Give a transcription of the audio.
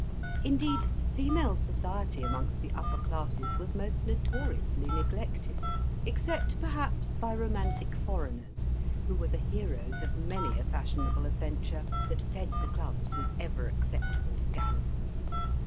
Indeed, female society amongst the upper classes was most notoriously neglected; except, perhaps, by romantic foreigners, who were the heroes of many at fashionable adventure that fed the clubs with ever acceptable scandal.